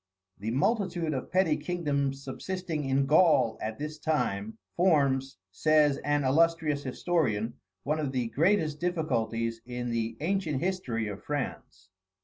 The multitude of petty kingdoms subsisting in Gaul at this time, forms, says an illustrious historian, one of the greatest difficulties in the ancient history of France.